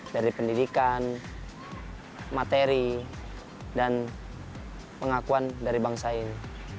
dari pendidikan materi dan pengakuan dari bangsa ini